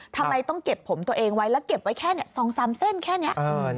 ทำไมต้องเก็บผมตัวเองไว้แล้วเก็บไว้แค่๒๓เส้นแค่นี้